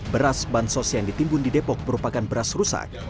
beras bansos yang ditimbun di depok merupakan beras rusak